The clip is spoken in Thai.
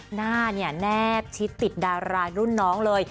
หน้าเนี่ยแนบชิดติดดารารุ่นน้องเลย